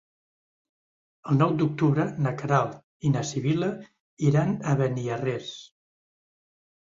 El nou d'octubre na Queralt i na Sibil·la iran a Beniarrés.